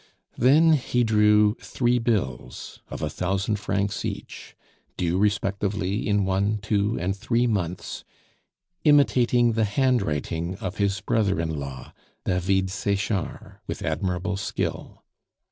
Then he drew three bills of a thousand francs each, due respectively in one, two, and three months, imitating the handwriting of his brother in law, David Sechard, with admirable skill.